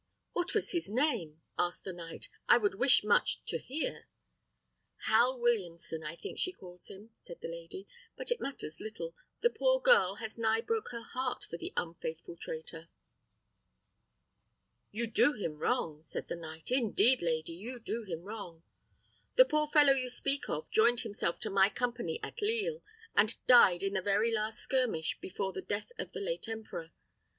"What was his name?" asked the knight; "I would wish much to hear." "Hal Williamson, I think she calls him," said the lady: "but it matters little; the poor girl has nigh broke her heart for the unfaithful traitor." "You do him wrong," said the knight; "indeed, lady, you do him wrong. The poor fellow you speak of joined himself to my company at Lisle, and died in the very last skirmish before the death of the late emperor.